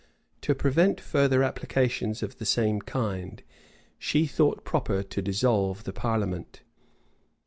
To prevent further applications of the same kind, she thought proper to dissolve the parliament.